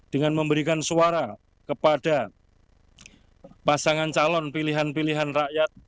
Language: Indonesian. dengan memberikan suara kepada pasangan calon pilihan pilihan rakyat